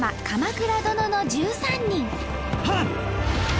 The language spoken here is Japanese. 「鎌倉殿の１３人」。